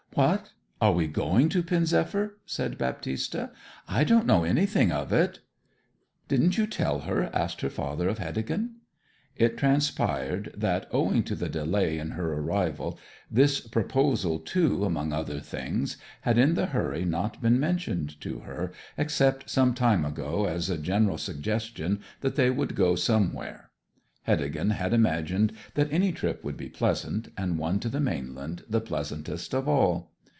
'What are we going to Pen zephyr?' said Baptista. 'I don't know anything of it.' 'Didn't you tell her?' asked her father of Heddegan. It transpired that, owing to the delay in her arrival, this proposal too, among other things, had in the hurry not been mentioned to her, except some time ago as a general suggestion that they would go somewhere. Heddegan had imagined that any trip would be pleasant, and one to the mainland the pleasantest of all.